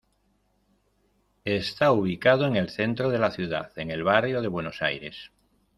Está ubicado en el centro de la ciudad, en el barrio de Buenos Aires.